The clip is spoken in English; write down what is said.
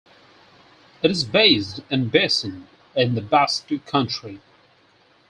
It is based in Beasain in the Basque Country.